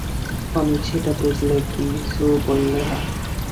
অমিত সেটা বুঝলে, কিছু বললে না।